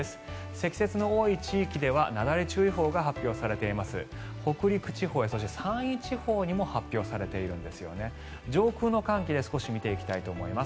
積雪の多い地域ではなだれ注意報が発表されています。